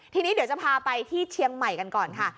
ทีนี้เดี๋ยวจะพาไปที่เชียงใหม่กันก่อนค่ะ